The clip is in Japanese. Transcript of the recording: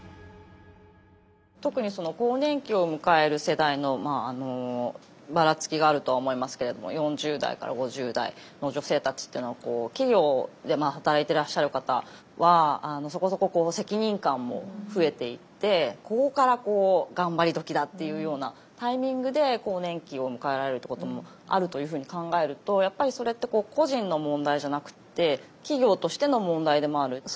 特に更年期を迎える世代のばらつきがあるとは思いますけれども４０代から５０代の女性たちっていうのは企業で働いてらっしゃる方はそこそこ責任感も増えていってここからこう頑張りどきだっていうようなタイミングで更年期を迎えられるってこともあるというふうに考えるとやっぱりそれって個人の問題じゃなくって企業としての問題でもある。